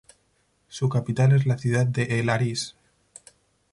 Su capital es la ciudad de El Arish.